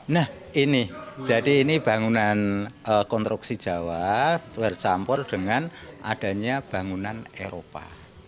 nah ini jadi ini bangunan konstruksi jawa bercampur dengan adanya bangunan eropa